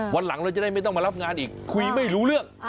วันหลังเราจะได้ไม่ต้องมารับงานอีกคุยไม่รู้เรื่อง